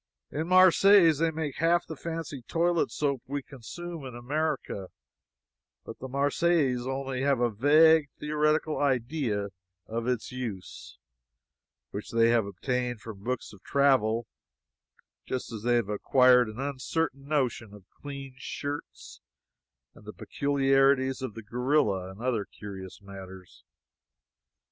In Marseilles they make half the fancy toilet soap we consume in America, but the Marseillaise only have a vague theoretical idea of its use, which they have obtained from books of travel, just as they have acquired an uncertain notion of clean shirts, and the peculiarities of the gorilla, and other curious matters.